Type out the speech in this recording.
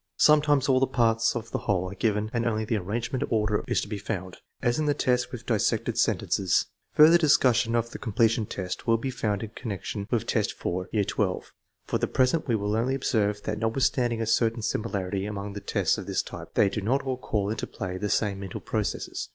Sometimes all the parts of the whole are given and only the arrangement or order is to be found, as in the test with dissected sentences. Further discussion of the completion test will be found in connection with test 4, year XII. For the present we will only observe that notwithstanding a certain similarity among the tests of this type, they do not all call into play the same mental processes.